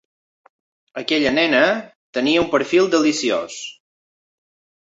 Aquella nena tenia un perfil deliciós.